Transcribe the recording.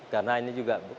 karena ini juga kita dinilai